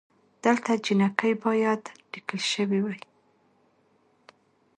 دلته جینکۍ بايد ليکل شوې وئ